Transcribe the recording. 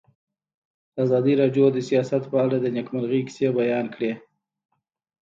ازادي راډیو د سیاست په اړه د نېکمرغۍ کیسې بیان کړې.